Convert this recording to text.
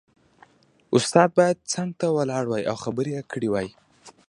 استاد باید څنګ ته ولاړ وای او خبرې یې کړې وای